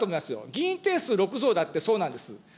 議員定数６増だってそうなんです。